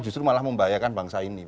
justru malah membahayakan bangsa ini